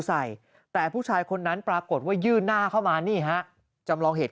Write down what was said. ใส่แต่ผู้ชายคนนั้นปรากฏว่ายื่นหน้าเข้ามานี่ฮะจำลองเหตุ